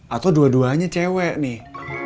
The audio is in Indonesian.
atau dua duanya cewek nih